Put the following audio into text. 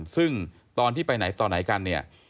ซึ่งตอนที่ไปไหนต่อไหนกันเนี่ย